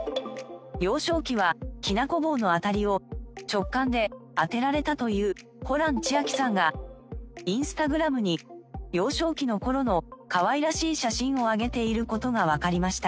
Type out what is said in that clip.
幼少期はきなこ棒のあたりを直感で当てられたというホラン千秋さんがインスタグラムに幼少期の頃のかわいらしい写真をあげている事がわかりました。